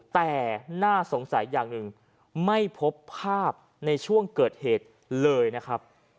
แต่น่าสงสัยอย่างหนึ่งไม่พบภาพในช่วงเกิดเหตุเลยนะครับ